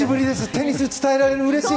テニス伝えられるの、うれしい！